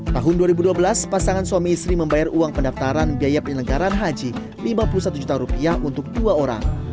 tahun dua ribu dua belas pasangan suami istri membayar uang pendaftaran biaya penyelenggaran haji lima puluh satu juta rupiah untuk dua orang